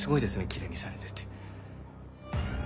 きれいにされてて。